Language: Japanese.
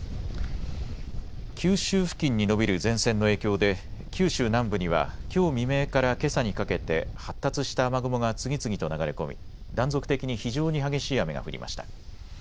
九州付近に延びる前線の影響で九州南部にはきょう未明からけさにかけて発達した雨雲が次々と流れ込み断続的に非常に激しい雨が降りました。